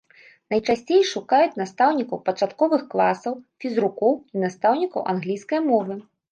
Найчасцей шукаюць настаўнікаў пачатковых класаў, фізрукоў і настаўнікаў англійскай мовы.